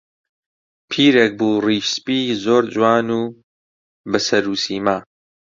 پیرێک بوو ڕیش سپی، زۆر جوان و بە سەر و سیما